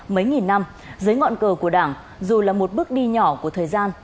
mấy nghìn năm dưới ngọn cờ của đảng dù là một bước đi nhỏ của thời gian